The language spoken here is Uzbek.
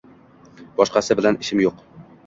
Boshqasi bilan ishim yo`q